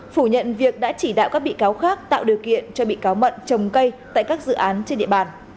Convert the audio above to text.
phủ nhận việc đã chỉ đạo các bị cáo khác tạo điều kiện cho bị cáo mận trồng cây tại các dự án trên địa bàn